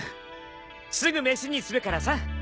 すぐ飯にするからさ。